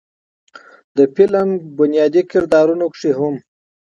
د فلم بنيادي کردارونو کښې هم